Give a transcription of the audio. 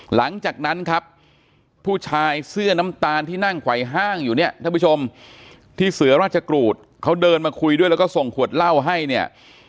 หลังจากนั้นครับผู้ชายเสื้อน้ำตาลที่นั่งไขว้ห้างอยู่เนี่ยท่านผู้ชมที่เสือราชกรูดเขาเดินมาคุยด้วยแล้วก็ส่งขวดเหล้าให้เนี่ย